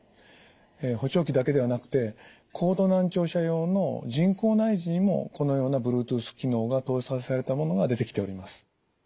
補聴器だけではなくて高度難聴者用の人工内耳にもこのようなブルートゥース機能が搭載されたものが出てきております。